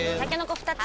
２つ！